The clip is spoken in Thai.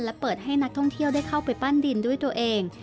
และเปิดให้นักท่องเที่ยวได้เข้าไปปั้นดินด้วยตัวเอง